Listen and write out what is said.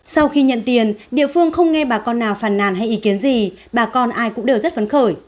sau khi nhận tiền địa phương không nghe bà con nào phàn nàn hay ý kiến gì bà con ai cũng đều rất phấn khởi